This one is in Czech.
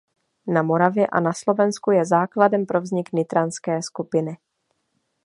Na Moravě a na Slovensku je základem pro vznik nitranské skupiny.